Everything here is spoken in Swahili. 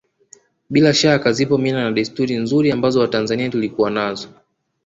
Bila shaka zipo mila na desturi nzuri ambazo watanzania tulikuwa nazo